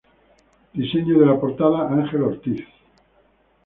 Diseño de la portada Ángel Ortiz.